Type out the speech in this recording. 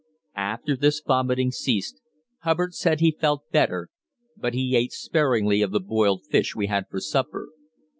After this vomiting ceased, Hubbard said he felt better, but he ate sparingly of the boiled fish we had for supper.